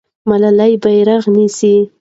ملالۍ بیرغ نیسي.